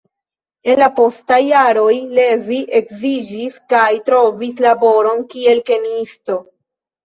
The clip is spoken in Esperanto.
En la postaj jaroj, Levi edziĝis kaj trovis laboron kiel kemiisto.